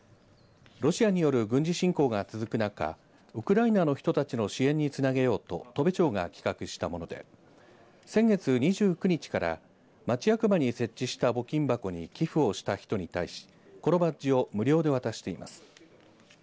ロシアによる軍事侵攻が続く中ウクライナの人たちの支援につなげようと砥部町が企画したもので先月２９日から町役場に設置した募金箱に寄付をした人に対しこのバッジを無料で渡しています。